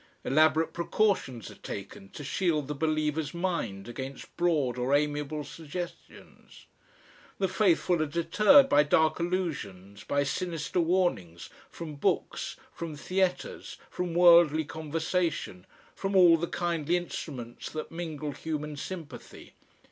Elaborate precautions are taken to shield the believer's mind against broad or amiable suggestions; the faithful are deterred by dark allusions, by sinister warnings, from books, from theatres, from worldly conversation, from all the kindly instruments that mingle human sympathy.